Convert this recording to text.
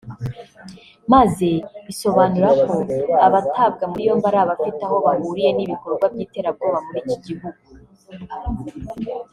maze isobanura ko abatabwa muri yombi ari abafite aho bahuriye n’ibikorwa by’iterabwoba muri iki gihugu